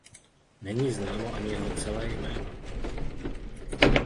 Není známo ani jeho celé jméno.